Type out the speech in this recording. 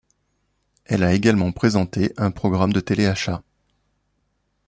Elle a également présenté un programme de télé-achat.